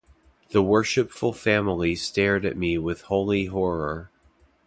The worshipful family stared at me with holy horror.